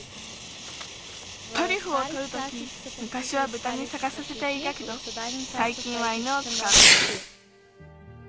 トリュフをとるときむかしはブタにさがさせていたけどさいきんは犬をつかう。